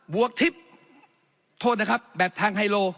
วกทิพย์โทษนะครับแบบทางไฮโล